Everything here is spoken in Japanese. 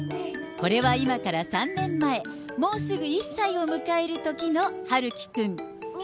これは今から３年前、もうすぐ１歳を迎えるときの陽喜くん。